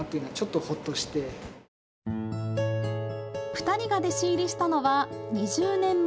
２人が弟子入りしたのは２０年前。